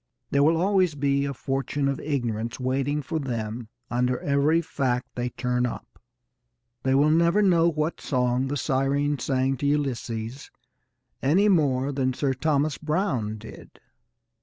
There will always be a fortune of ignorance waiting for them under every fact they turn up. They will never know what song the Sirens sang to Ulysses any more than Sir Thomas Browne did.